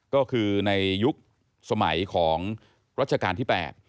ก็คือในยุคสมัยของรัชกาลที่๘